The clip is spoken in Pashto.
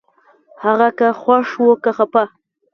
هغه که خوښ و که خپه